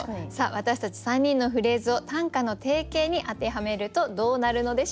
私たち３人のフレーズを短歌の定型に当てはめるとどうなるのでしょうか。